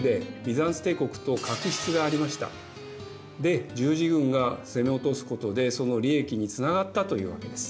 で十字軍が攻め落とすことでその利益につながったというわけです。